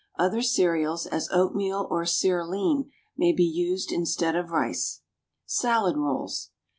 Other cereals, as oatmeal or cerealine, may be used instead of rice. =Salad Rolls.